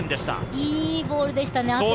いいゴールでしたね。